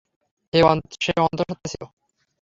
সে অন্তঃসত্ত্বা ছিল।